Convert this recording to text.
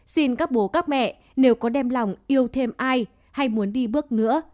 xin các bố các mẹ nếu có đem lòng yêu thêm ai hay muốn đi bước nữa